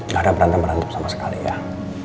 gak ada berantem berantem lagi kakak